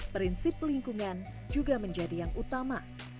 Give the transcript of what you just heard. prinsip lingkungan juga menjadi yang utama